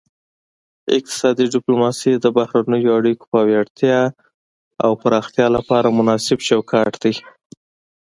اقتصادي ډیپلوماسي د بهرنیو اړیکو پیاوړتیا او پراختیا لپاره مناسب چوکاټ دی